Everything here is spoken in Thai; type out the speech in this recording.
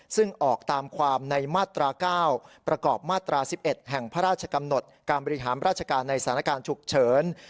ซึ่งออกตามความในมาตรา๙ประกอบมาตรา๑๑แห่งพระราชกำหนดการบริหารราชการในสถานการณ์ฉุกเฉิน